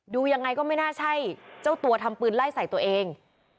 ยังไงก็ไม่น่าใช่เจ้าตัวทำปืนไล่ใส่ตัวเอง